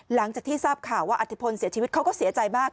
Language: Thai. หลังจากที่ทราบข่าวว่าอธิพลเสียชีวิตเขาก็เสียใจมาก